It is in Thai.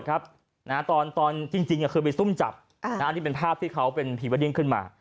อันนี้เป็นภาพที่เขาเป็นพรีเวอร์ดิ้งขึ้นมา